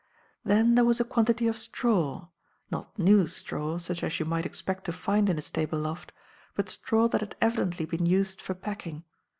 Then there was a quantity of straw, not new straw such as you might expect to find in a stable loft, but straw that had evidently been used for packing.